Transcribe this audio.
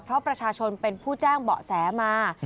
เพราะประชาชนเป็นผู้แจ้งเบาะแสมา